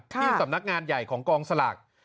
ที่สำนักงานใหญ่ของกองสลาก